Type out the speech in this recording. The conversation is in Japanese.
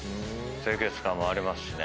清潔感もありますしね。